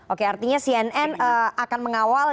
oke artinya cnn akan mengawal